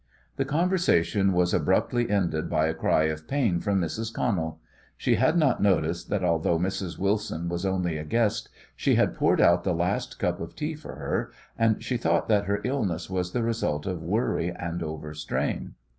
The conversation was abruptly ended by a cry of pain from Mrs. Connell. She had not noticed that although Mrs. Wilson was only a guest she had poured out the last cup of tea for her, and she thought that her illness was the result of worry and overstrain.